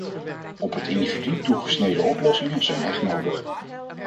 Op het individu toegesneden oplossingen zijn echt nodig.